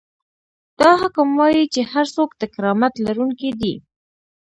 دا حکم وايي چې هر څوک د کرامت لرونکی دی.